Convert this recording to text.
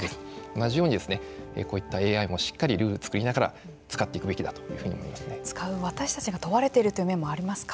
同じようにこういったＡＩもしっかりルールを作りながら使っていくべきだというふうに使う私たちが問われているという面もありますか。